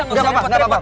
engga usah engga usah